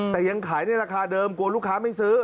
แต่ยังขายในราคาเดิมกลัวลูกค้าไม่ซื้อ